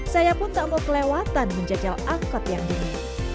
saya pun tak mau kelewatan menjajal angkut yang jenis